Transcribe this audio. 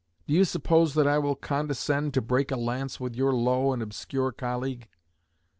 Do you suppose that I will condescend to break a lance with your low and obscure colleague?'